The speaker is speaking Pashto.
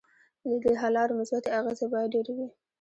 ددې حل لارو مثبتې اغیزې باید ډیرې وي.